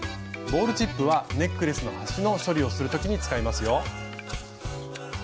「ボールチップ」はネックレスの端の処理をする時に使いますよ。